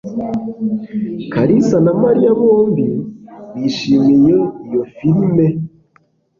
kalisa na Mariya bombi bishimiye iyo filime.